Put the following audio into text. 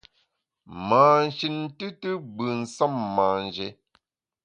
Mâ shin tùtù gbù nsem manjé.